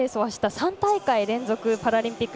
３大会連続パラリンピック